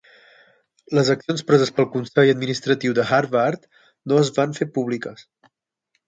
Les accions preses pel Consell Administratiu de Harvard no es van fer públiques.